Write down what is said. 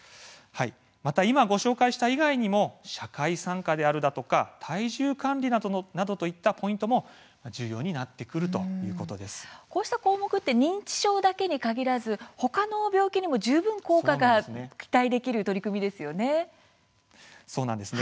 また今ご紹介した以外にも社会参加ですとか体重の管理などといったポイントもこうした項目は認知症だけに限らずほかの病気にも十分効果はそうなんですね。